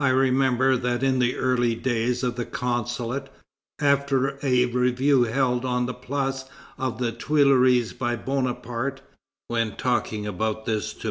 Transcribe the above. I remember that in the early days of the Consulate, after a review held on the Place of the Tuileries by Bonaparte, when talking about this to M.